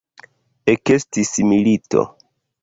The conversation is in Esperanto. Ekestis milito.